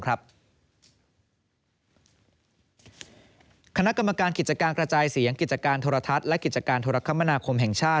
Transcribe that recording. คณะกรรมการกิจการกระจายเสียงกิจการโทรทัศน์และกิจการโทรคมนาคมแห่งชาติ